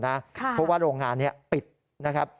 เพราะว่าโรงงานนี้ปิดนะครับ